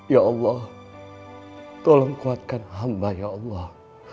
ya allah tolong kuatkan hamba ya allah